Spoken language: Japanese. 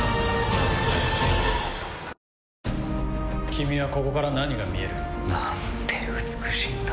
君はここから何が見える？なんて美しいんだ。